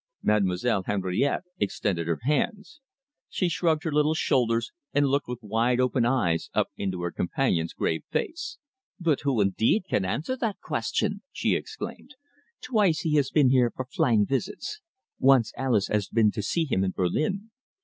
Mademoiselle Henriette extended her hands. She shrugged her little shoulders and looked with wide open eyes up into her companion's grave face. "But who, indeed, can answer that question?" she exclaimed. "Twice he has been here for flying visits. Once Alice has been to see him in Berlin.